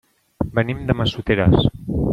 Venim de Massoteres.